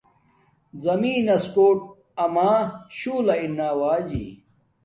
زمین نس کوٹ آما شولہ ارنا آوجی